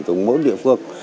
từ mỗi địa phương